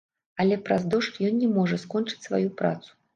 Але праз дождж ён не можа скочыць сваю працу.